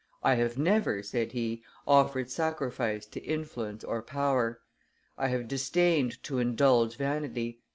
"I have never," said he, "offered sacrifice to influence or power. I have disdained to indulge vanity.